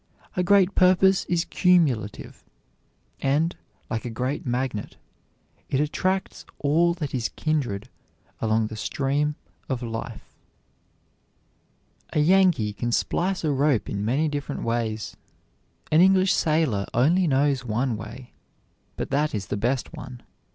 A great purpose is cumulative; and, like a great magnet, it attracts all that is kindred along the stream of life. [Illustration: Joseph Jefferson] A Yankee can splice a rope in many different ways; an English sailor only knows one way, but that is the best one.